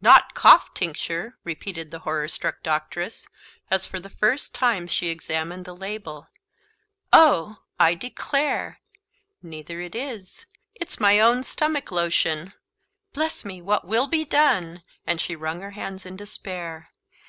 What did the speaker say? "Not cough tincture!" repeated the horror struck doctress, as for the first time she examined the label; "Oh! I declare, neither it is it's my own stomach lotion. Bless me, what will be done?" and she wrung her hands in despair.